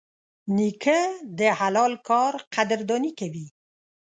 نیکه د حلال کار قدرداني کوي.